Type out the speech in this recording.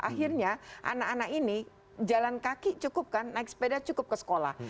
akhirnya anak anak ini jalan kaki cukup kan naik sepeda cukup ke sekolah